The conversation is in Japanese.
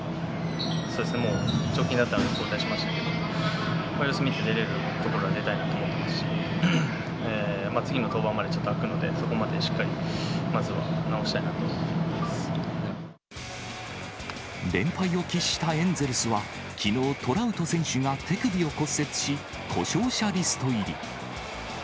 そうですね、もう、ちょっと気になったので交代しましたけど、様子見て出れるところは出たいと思ってますし、次の登板までちょっと空くので、そこまでしっかり、連敗を喫したエンゼルスは、きのう、トラウト選手が手首を骨折し故障者リスト入り。